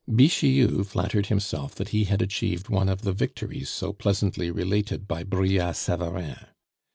Bixiou flattered himself that he had achieved one of the victories so pleasantly related by Brillat Savarin.